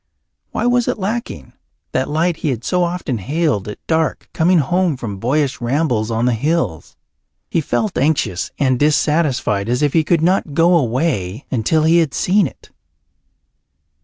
Why was it lacking, that light he had so often hailed at dark, coming home from boyish rambles on the hills? He felt anxious and dissatisfied, as if he could not go away until he had seen it.